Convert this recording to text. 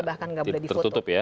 bahkan tidak boleh difoto